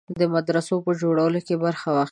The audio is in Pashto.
د مدرسو په جوړولو کې برخه واخیسته.